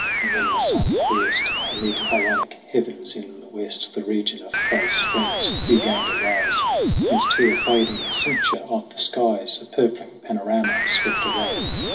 And when the sun quiesced Amid ironic heavens in the West The region of false friends Hugh gained a rise Whence to the fading cincture of the skies A purpling panorama swept away.